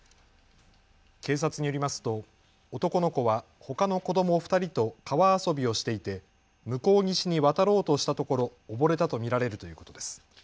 警察によりますと男の子はほかの子ども２人と川遊びをしていて向こう岸に渡ろうとしたところ溺れたと見られるということです。